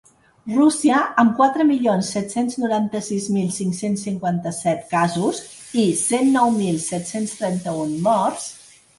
Rússia, amb quatre milions set-cents noranta-sis mil cinc-cents cinquanta-set casos i cent nou mil set-cents trenta-un morts.